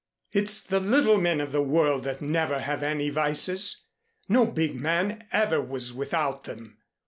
"It's the little men of this world that never have any vices. No big man ever was without them.